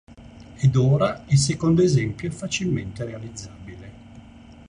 E ora il secondo esempio facilmente realizzabile.